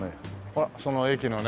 ほらその駅のね